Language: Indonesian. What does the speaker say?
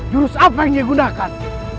jurus apa yang dia gunakan